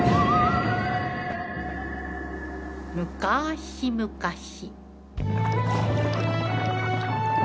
むかしむかし。